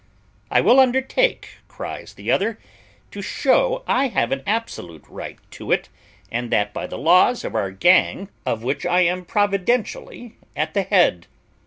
"I will undertake," cries the other, "to shew I have an absolute right to it, and that by the laws of our gang, of which I am providentially at the head."